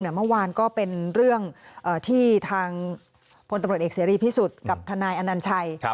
เหนือเมื่อวานก็เป็นเรื่องที่โผลตรวจเอกเสรีพิสุทธิ์กับฒรรณานันตร์ชัย